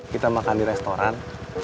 kita makan di restoran